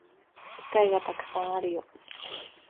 機会がたくさんあるよ